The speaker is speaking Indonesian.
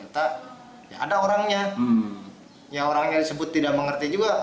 ternyata ada orangnya yang orangnya disebut tidak mengerti juga